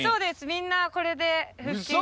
みんなこれで腹筋が。